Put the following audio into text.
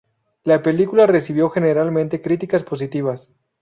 La película recibió generalmente críticas positivas.